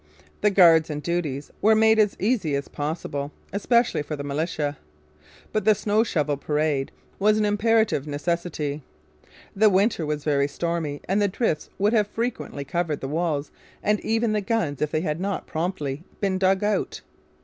The guards and duties were made as easy as possible, especially for the militia. But the 'snow shovel parade' was an imperative necessity. The winter was very stormy, and the drifts would have frequently covered the walls and even the guns if they had not promptly been dug out.